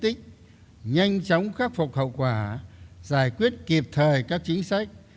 tích cực tích nhanh chóng khắc phục hậu quả giải quyết kịp thời các chính sách